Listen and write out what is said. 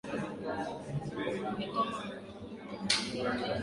Abhaikoma Waikoma Abhangoreme Wangoreme Abhaisenye Waisenye